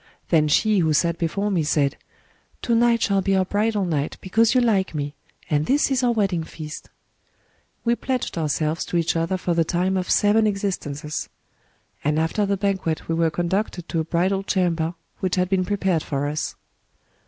Then she who sat before me said :' To night shall be our bridal night, because you like me; and this is our wedding feast.* We pledged ourselves to each other for the time of seven existences ; and after the banquet we were conducted to a bridal chamber, which had been prepared for us.